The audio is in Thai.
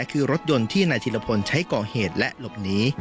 คือรถยนต์ที่นายธิรพลใช้ก่อเหตุและหลบหนี